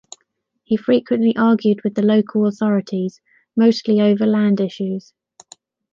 He frequently argued with the local authorities, mostly over land issues.